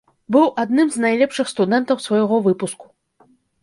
Быў адным з найлепшых студэнтаў свайго выпуску.